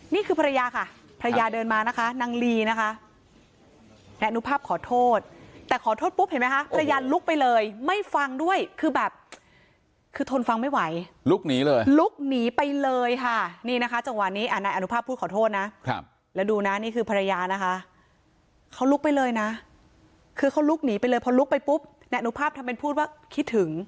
นี่คือภรรยาค่ะภรรยาเดินมานะคะนางลีนะคะนายอนุภาพขอโทษแต่ขอโทษปุ๊บเห็นไหมคะภรรยาลุกไปเลยไม่ฟังด้วยคือแบบคือทนฟังไม่ไหวลุกหนีเลยลุกหนีไปเลยค่ะนี่นะคะจังหวะนี้นายอนุภาพพูดขอโทษนะแล้วดูนะนี่คือภรรยานะคะเขาลุกไปเลยนะคือเขาลุกหนีไปเลยพอลุกไปปุ๊บนายอนุภาพทำเป็นพูดว่าคิดถึง